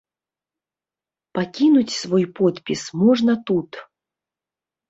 Пакінуць свой подпіс можна тут.